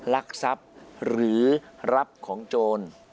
ลักทรัพย์หรือรับของโจร